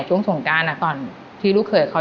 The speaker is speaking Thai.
ช่วงสงการตอนที่ลูกเขยเขา